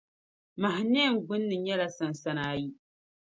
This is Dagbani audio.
Mahanaim gbinni nyɛla sansana ayi.